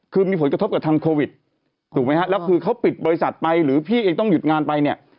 คือมีผลกระทบกับทางโควิดถูกไหมฮะแล้วคือเขาปิดบริษัทไปหรือพี่เองต้องหยุดงานไปเนี่ย